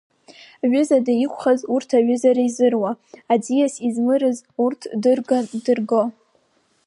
Ҩызада иқәхаз урҭ ҩызара изыруа, аӡиас измырыз урҭ дырган дырго.